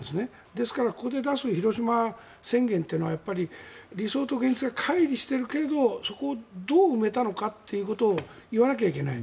ですからここで出す広島宣言というのは理想と現実がかい離しているけどそこをどう埋めたのかを言わなきゃいけない。